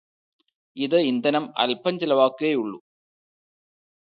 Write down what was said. അത് ഇന്ധനം അല്പം ചിലവാക്കുകയെ ഉള്ളു